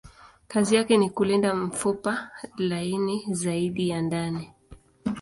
Kazi yake ni kulinda mfupa laini zaidi ya ndani.